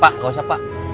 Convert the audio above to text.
pak gak usah pak